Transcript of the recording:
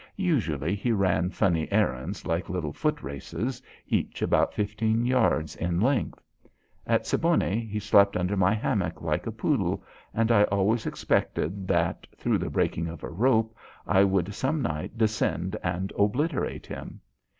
Usually he ran funny errands like little foot races, each about fifteen yards in length. At Siboney he slept under my hammock like a poodle, and I always expected that, through the breaking of a rope, I would some night descend and obliterate him.